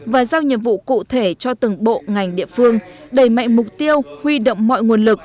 và giao nhiệm vụ cụ thể cho từng bộ ngành địa phương đẩy mạnh mục tiêu huy động mọi nguồn lực